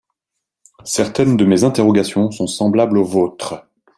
Certaines de mes interrogations sont semblables aux vôtres.